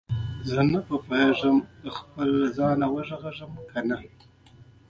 په تمرکز کې یې دوه مهم ارزښتونه ورک وو.